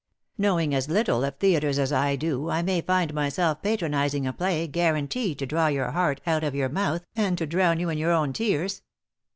Knowing as little of theatres as I do I may find myself patronising a play guaranteed to draw your heart out of your mouth, and to drown you in your own tears.